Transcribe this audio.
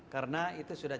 karena itu sudah